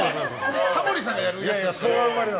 タモリさんがやるやつですから。